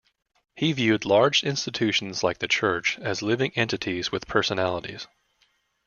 He viewed large institutions like the church as living entities with personalities.